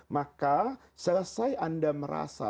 maka selesai anda merasa